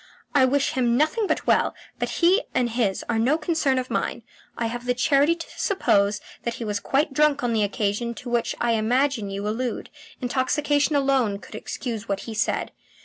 I wish him nothing but well, but he and his are no concern of mine. I have the charity to suppose that he was quite drunk on the occasion to which I imagine you allude. Intoxication alone could excuse what he said.